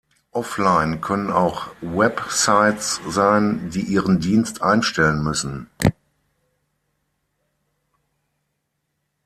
Offline können auch Websites sein, die ihren Dienst einstellen müssen.